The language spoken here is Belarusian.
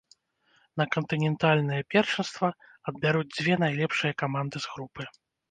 На кантынентальнае першынства адбяруць дзве найлепшыя каманды з групы.